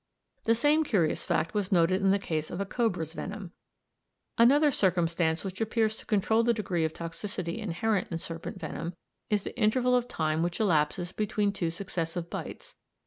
The same curious fact was noted in the case of a cobra's venom. Another circumstance which appears to control the degree of toxicity inherent in serpent venom is the interval of time which elapses between two successive bites.